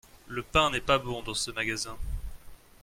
Le pain n’est pas bon dans ce magasin.